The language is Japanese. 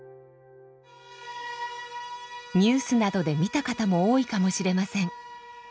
ニュースなどで見た方も多いかもしれません。